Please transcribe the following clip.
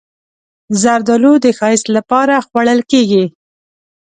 زردالو د ښایست لپاره خوړل کېږي.